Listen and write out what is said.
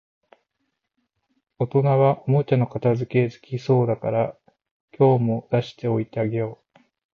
大人はおもちゃの片づけ好きそうだから、今日も出しておいてあげよう